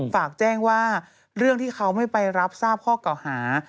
ฝากแจ้งว่าเรื่องที่เขาไม่ไปรับทราบข้อเก่าหา